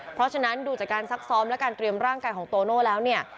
เพราะฉะนั้นดูจากการซักซ้อมและการเตรียมร่างกายของโตโน่แล้วเนี่ย